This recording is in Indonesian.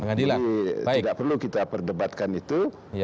jadi tidak perlu kita perdebatkan itu